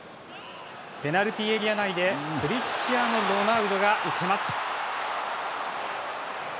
ペナルティーエリア内でクリスチアーノロナウドが受けます。